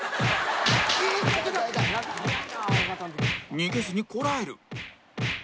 逃げずにこらえる